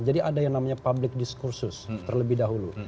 jadi ada yang namanya public discursus terlebih dahulu